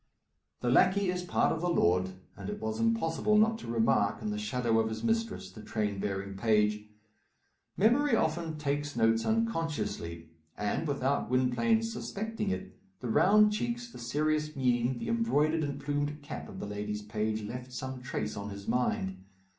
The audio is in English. The lackey is part of the lord, and it was impossible not to remark, in the shadow of his mistress, the train bearing page. Memory often takes notes unconsciously; and, without Gwynplaine's suspecting it, the round cheeks, the serious mien, the embroidered and plumed cap of the lady's page left some trace on his mind.